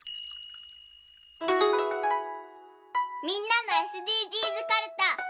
みんなのＳＤＧｓかるた。